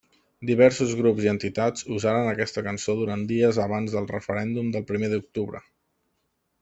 Diversos grups i entitats usaren aquesta cançó durant dies abans del referèndum del primer d'octubre.